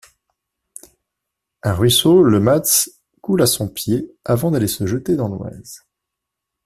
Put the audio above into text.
Un ruisseau, le Matz, coule à son pied avant d'aller se jeter dans l'Oise.